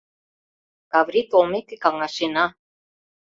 Каврий толмеке каҥашена.